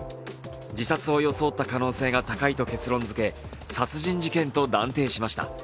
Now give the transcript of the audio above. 自殺を装った可能性が高いと結論づけ殺人事件と断定しました。